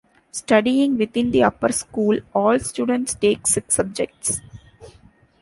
Studying within the Upper School, all students take six subjects.